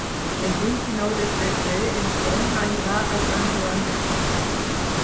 El vint-i-nou de febrer en Tom anirà a Sant Joan Despí.